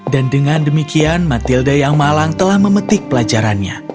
dan dengan demikian matilda yang malang telah memetik pelajarannya